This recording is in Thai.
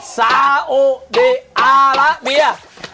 ซาโอเดอราเบียร์